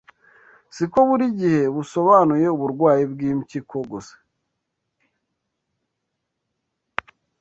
si ko buri gihe busobanuye uburwayi bw’impyiko gusa